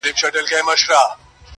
فقط شکل مو بدل دی د دامونو-